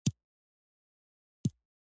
احمد کيلو ګرام سروپ اوبه کړل.